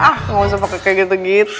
ah gak usah pake kayak gitu gitu